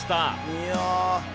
いや。